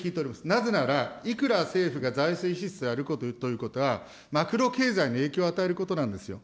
なぜなら、いくら政府が財政支出をやるということは、マクロ経済に影響を与えることなんですよ。